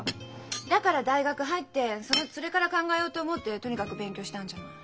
だから大学入ってそれから考えようと思ってとにかく勉強したんじゃない。